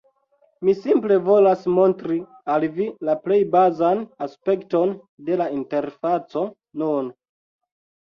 Mi simple volas montri al vi la plej bazan aspekton de la interfaco nun.